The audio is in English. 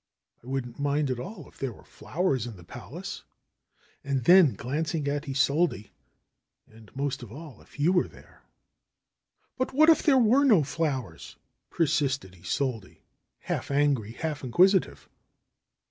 'T wouldn't mind at all if there were flowers in the pal ace," and then glancing at Isolde, ^^and, most of all, if you were there." THE HERMIT OF SAGUENAY 43 what if there were no flowers T' persisted Isolde, half angry, half inquisitive.